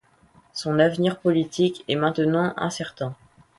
Son avenir politique est maintenant incertain.